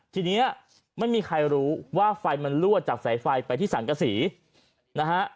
ทีนี้ไม่มีใครรู้ว่าไฟมันรั่วจากสายไฟไปที่สังกษีนะฮะ